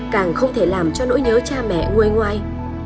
càng không thể làm cho nỗi nhớ cha mẹ nguôi ngoai